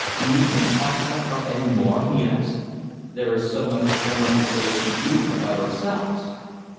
"Need we talk about her any more?" he asked. "There is so much I want to say to you about ourselves."